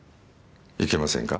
いけませんか？